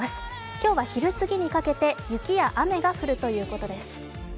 今日は昼過ぎにかけて雪や雨が降るということです。